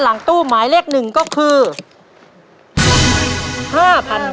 หลังตู้หมายเล็ก๑จากซึ่ง